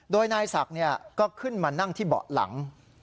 โดยนายศักดิ์ก็ขึ้นมานั่งที่เบาะหลัง